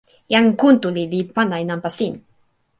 jan Kuntuli li pana e nanpa sin.